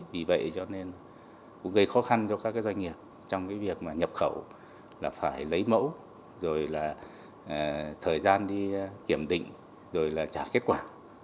vì vậy cho nên cũng gây khó khăn cho các doanh nghiệp trong cái việc mà nhập khẩu là phải lấy mẫu rồi là thời gian đi kiểm định rồi là trả kết quả